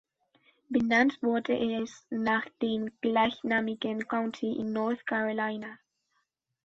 Benannt wurde es nach dem gleichnamigen County in North Carolina.